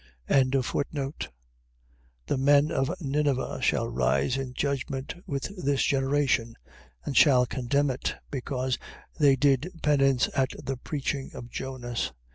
12:41. The men of Ninive shall rise in judgment with this generation, and shall condemn it: because they did penance at the preaching of Jonas.